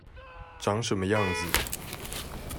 長什麼樣子